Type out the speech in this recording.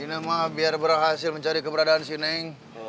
ini mah biar berhasil mencari keberadaan si neng